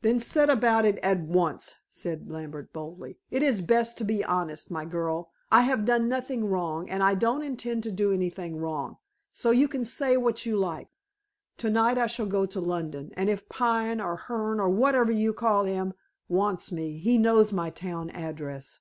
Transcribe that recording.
"Then set about it at once," said Lambert boldly. "It is best to be honest, my girl. I have done nothing wrong, and I don't intend to do anything wrong, so you can say what you like. To night I shall go to London, and if Pine, or Hearne, or whatever you call him, wants me, he knows my town address."